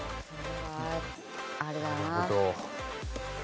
あれだな。